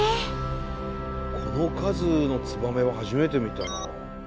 この数のツバメは初めて見たなあ。